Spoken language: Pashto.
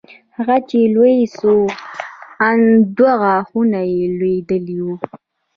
هغه چې لوى سو ان دوه غاښونه يې لوېدلي وو.